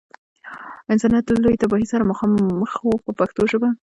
انسانیت له لویې تباهۍ سره مخامخ و په پښتو ژبه.